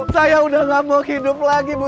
saya udah gak mau hidup lagi bu